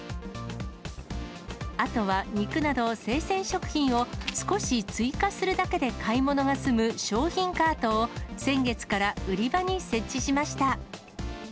あとは肉など生鮮食品を少し追加するだけで買い物が済む商品カートを、先月から売り場に設置しました。